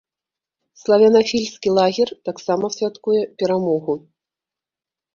Славянафільскі лагер таксама святкуе перамогу.